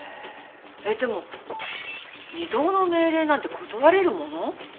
えっでも異動の命令なんて断れるもの？